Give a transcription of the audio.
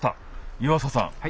湯浅さん